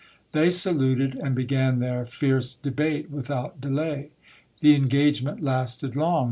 They saluted, and be gan their fierce debate without delay. The engagement lasted long.